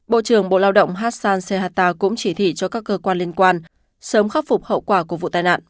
bộ trưởng bộ lao động hassan sehata cũng chỉ thị cho các cơ quan liên quan sớm khắc phục hậu quả của vụ tai nạn